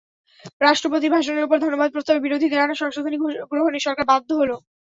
রাষ্ট্রপতির ভাষণের ওপর ধন্যবাদ প্রস্তাবে বিরোধীদের আনা সংশোধনী গ্রহণে সরকার বাধ্য হলো।